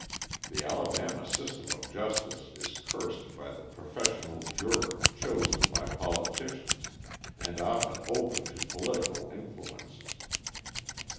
The Alabama system of justice is cursed by the professional juror chosen by politicians, and often open to political influences.